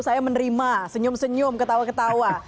saya menerima senyum senyum ketawa ketawa